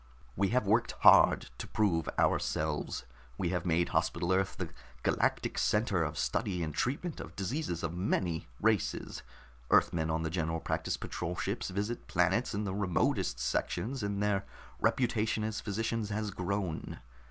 We have worked hard to prove ourselves. We have made Hospital Earth the galactic center of study and treatment of diseases of many races. Earthmen on the General Practice Patrol ships visit planets in the remotest sections, and their reputation as physicians has grown.